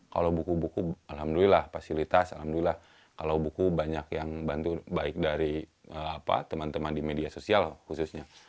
kalau buku buku alhamdulillah fasilitas alhamdulillah kalau buku banyak yang bantu baik dari teman teman di media sosial khususnya